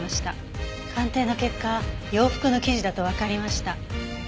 鑑定の結果洋服の生地だとわかりました。